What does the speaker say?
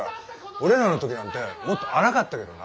俺らの時なんてもっと荒かったけどな。